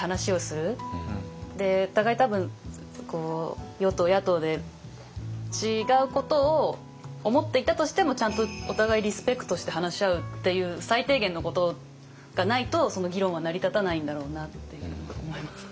お互い多分与党野党で違うことを思っていたとしてもちゃんとお互いリスペクトして話し合うっていう最低限のことがないとその議論は成り立たないんだろうなって思います。